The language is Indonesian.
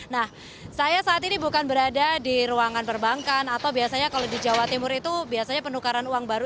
nah saya saat ini bukan berada di ruangan perbankan atau biasanya kalau di jawa timur itu biasanya penukaran uang baru